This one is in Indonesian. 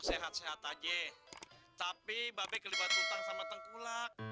sehat sehat aja tapi babay kali kayak ngotak sama tengkulak